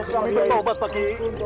kami bertobat pak kiai